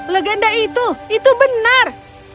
legenda itu itu benar